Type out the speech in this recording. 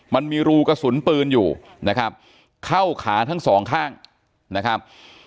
มันมีรูกระสุนปืนอยู่นะครับเข้าขาทั้งสองข้างนะครับ